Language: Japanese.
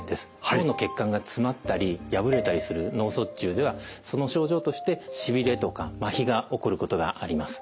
脳の血管が詰まったり破れたりする脳卒中ではその症状としてしびれとかまひが起こることがあります。